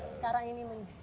sekarang ini men